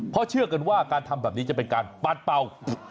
เพราะเชื่อกันว่าการทำแบบนี้จะเป็นการปัดเป่า